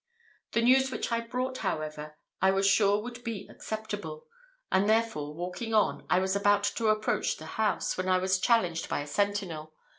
The news which I brought, however, I was sure would be acceptable; and therefore walking on, I was about to approach the house, when I was challenged by a sentinel.